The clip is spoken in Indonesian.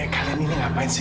kalian ini ngapain sih